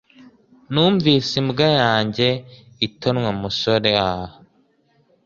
Numvise imbwa yanjye itonwa musorea